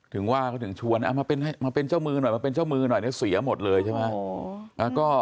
ถึงว่าเขาถึงชวนเอามาเป็นเจ้ามือหน่อยเนี่ยเสียหมดเลยใช่ไหม